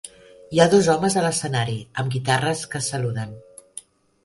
Hi ha dos homes a l'escenari amb guitarres que es saluden.